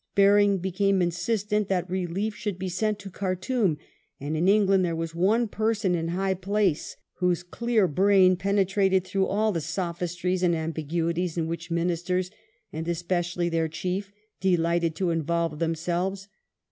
Baring became insistent that relief should be sent to Khartoum, and in England there was one pei son in high place whose clear brain penetrated through all the sophistries and ambiguities in which Ministers — and especially their Chief — delighted to involve them selves.